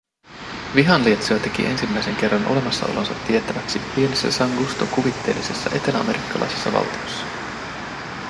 Vihanlietsoja teki ensimmäisen kerran olemassaolonsa tiettäväksi pienessä San Guston kuvitteellisessa eteläamerikkalaisessa valtiossa